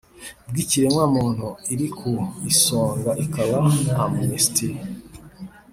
bw'ikiremwa muntu, iri ku isonga ikaba amnesty